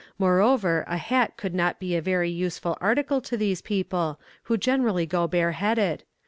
Moreover, a hat could not be a very useful article to these people, who generally go bare headed.